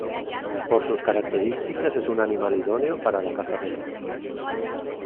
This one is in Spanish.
Por sus características es un animal idóneo para la caza menor.